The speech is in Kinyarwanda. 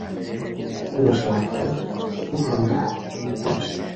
Turashaka kuvugana na Mukesha.